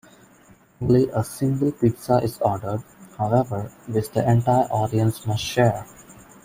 Only a single pizza is ordered, however, which the entire audience must share.